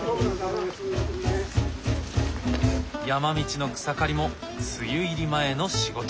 山道の草刈りも梅雨入り前の仕事。